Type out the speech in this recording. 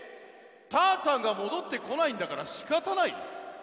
「たーちゃんがもどってこないんだからしかたない」？